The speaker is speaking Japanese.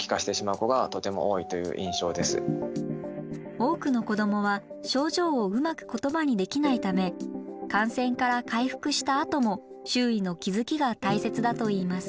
多くの子どもは症状をうまく言葉にできないため感染から回復したあとも周囲の気づきが大切だといいます。